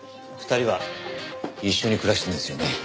２人は一緒に暮らしてるんですよね？